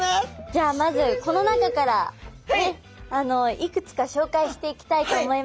じゃあまずこの中からいくつか紹介していきたいと思います。